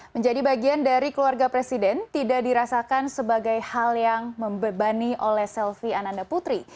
menjadi bagian dari keluarga presiden tidak dirasakan sebagai hal yang membebani oleh selvi ananda putri